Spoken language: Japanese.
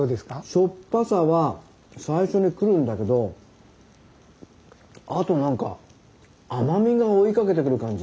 しょっぱさは最初に来るんだけどあとなんか甘みが追いかけてくる感じ。